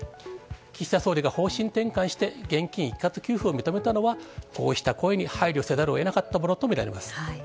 岸田総理が方針転換して現金一括給付を認めたのは、こうした声に配慮せざるをえなかったものと見られます。